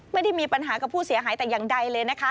ไม่ได้มีปัญหากับผู้เสียหายแต่อย่างใดเลยนะคะ